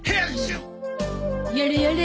やれやれ。